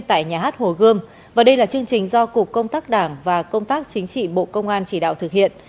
tại nhà hát hồ gươm và đây là chương trình do cục công tác đảng và công tác chính trị bộ công an chỉ đạo thực hiện